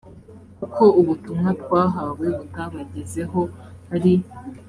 kuko ubutumwa twahawe butabagezeho ari